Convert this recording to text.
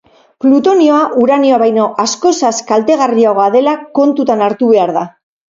Plutonioa uranioa baino askozaz kaltegarriagoa dela kontutan hartu behar da.